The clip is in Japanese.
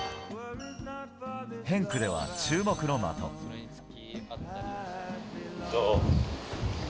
ヘンクでは注目の的。